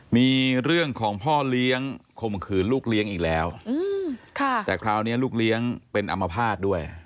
มีเรื่องของพ่อเลี้ยงข่มขืนลูกเลี้ยงอีกแล้วแต่คราวนี้ลูกเลี้ยงเป็นอมภาษณ์ด้วย